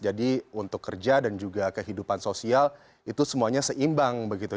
jadi untuk kerja dan juga kehidupan sosial itu semuanya seimbang begitu